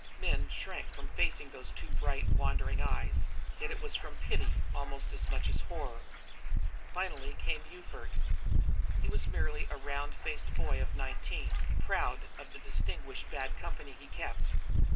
Men shrank from facing those too bright, wandering eyes, yet it was from pity almost as much as horror. Finally came Ufert. He was merely a round faced boy of nineteen, proud of the distinguished bad company he kept.